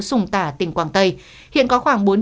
sùng tả tỉnh quảng tây hiện có khoảng